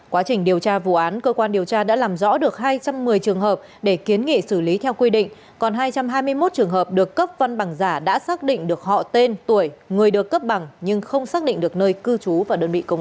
quá trình điều tra vụ án cơ quan điều tra đã làm rõ được hai trăm một mươi trường hợp để kiến nghị xử lý theo quy định còn hai trăm hai mươi một trường hợp được cấp văn bằng giả đã xác định được họ tên tuổi người được cấp bằng nhưng không xác định được nơi cư trú và đơn vị công an